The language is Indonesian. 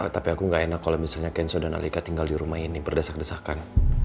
tapi aku gak enak kalau misalnya kenso dan alika tinggal di rumah ini berdesak desakan